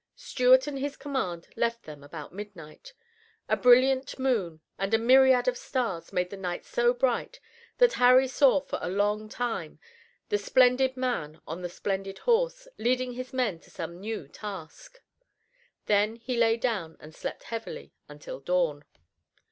Stuart and his command left them about midnight. A brilliant moon and a myriad of stars made the night so bright that Harry saw for a long time the splendid man on the splendid horse, leading his men to some new task. Then he lay down and slept heavily until dawn.